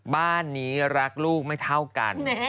บ้านนี้รักลูกไม่เท่ากัน